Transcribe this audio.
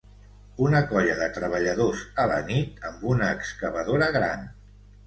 Una colla de treballadors a la nit amb una excavadora gran.